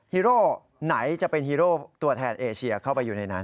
ฮีโร่ไหนจะเป็นฮีโร่ตัวแทนเอเชียเข้าไปอยู่ในนั้น